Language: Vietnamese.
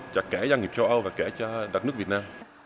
châu âu và kể cho đặc nước việt nam